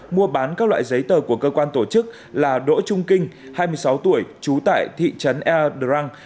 mua bán các loại giấy tờ của cơ quan tổ chức là đỗ trung kinh hai mươi sáu tuổi trú tại thị trấn ea đằng